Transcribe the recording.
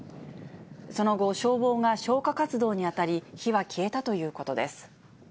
その後、消防が消火活動に当たり、火は消えたということです。